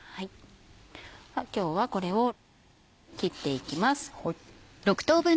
今日はこれを切っていきます。